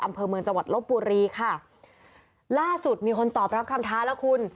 อำเภอเมืองจังหวัดลบบุรีค่ะล่าสุดมีคนตอบรับคำท้าแล้วคุณ